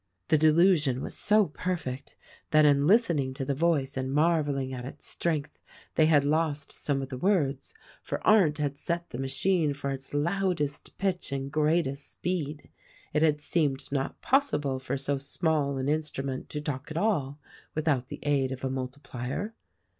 The delusion was so perfect that in listening to the voice and marveling at its strength they had lost some of the words, for Arndt had set the machine for its loudest pitch and greatest speed. It had seemed not possible for so small an instrument to talk at all without the aid of a multiplier.